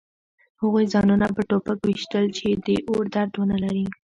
هغوی ځانونه په ټوپک ویشتل چې د اور درد ونلري